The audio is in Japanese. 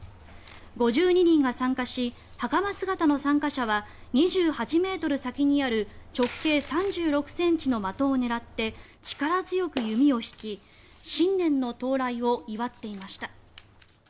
５２人が参加し袴姿の参加者は２８ｍ先にある直径３６ｃｍの的を狙って力強く弓を引き新年の到来を祝っていました。